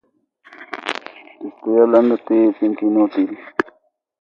El mismo solo estaba disponible para Super Nintendo.